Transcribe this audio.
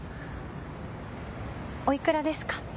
おいくらですか？